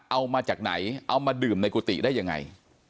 เอามาจากไหนเอามาดื่มในกุฏิได้ยังไง